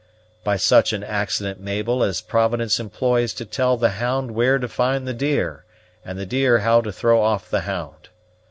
"By such an accident, Mabel, as Providence employs to tell the hound where to find the deer and the deer how to throw off the hound.